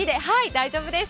大丈夫です。